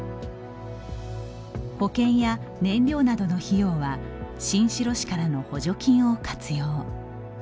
保険や燃料などの費用は新城市からの補助金を活用。